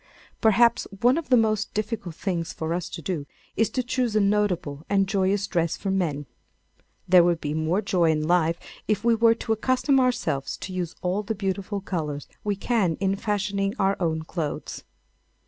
Perhaps one of the most difficult things for us to do is to choose a notable and joyous dress for men. There would be more joy in life if we were to accustom ourselves to use all the beautiful colours we can in fashioning our own clothes.